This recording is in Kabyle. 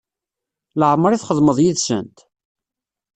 Laɛmeṛ i txedmeḍ yid-sent?